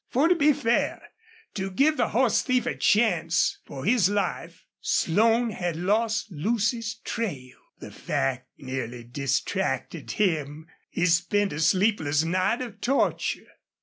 For to be fair, to give the horse thief a chance for his life, Slone had lost Lucy's trail. The fact nearly distracted him. He spent a sleepless night of torture.